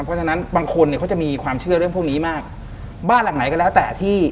เพราะฉะนั้นบางคนเนี่ยเขาจะมีความเชื่อเรื่องพวกนี้มากบ้านหลังไหนก็แล้วแต่ที่